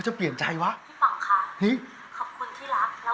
แต่ไม่ต้องรอแอร์หรอกนะคะแอร์เจอผู้ชายที่ดีที่สุดในโลกเลย